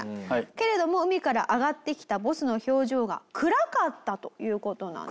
けれども海から上がってきたボスの表情が暗かったという事なんです。